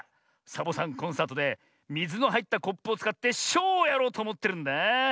サボさんコンサートでみずのはいったコップをつかってショウをやろうとおもってるんだあ。